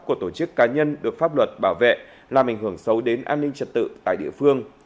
của tổ chức cá nhân được pháp luật bảo vệ làm ảnh hưởng xấu đến an ninh trật tự tại địa phương